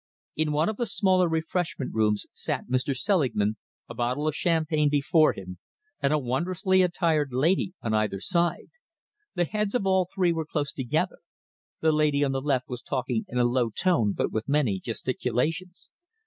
In one of the smaller refreshment rooms sat Mr. Selingman, a bottle of champagne before him and a wondrously attired lady on either side. The heads of all three were close together. The lady on the left was talking in a low tone but with many gesticulations.